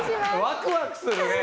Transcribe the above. ワクワクするね。